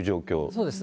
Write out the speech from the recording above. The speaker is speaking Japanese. そうです。